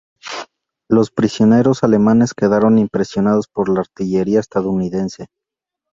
Los prisioneros alemanes quedaron impresionados por la artillería estadounidense.